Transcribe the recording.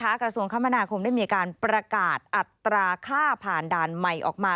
ตอนนี้กระทรวงคมภาคมมีออกประกาศอัตราข้าผ่านด่านใหม่ออกมา